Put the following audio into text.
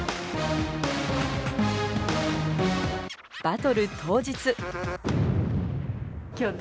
バトル当日。